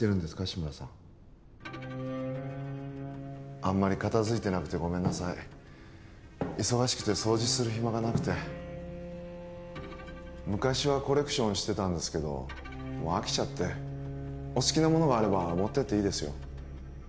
志村さんあんまり片付いてなくてごめんなさい忙しくて掃除する暇がなくて昔はコレクションしてたんですけどもう飽きちゃってお好きなものがあれば持ってっていいですよ